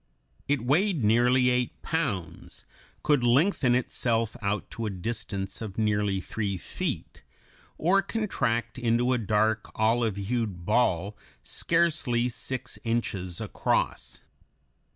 It weighed nearly eight pounds, could lengthen itself out to a distance of nearly three feet, or contract into a dark, olive hued ball, scarcely six inches across.